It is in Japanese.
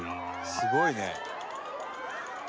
「すごいね」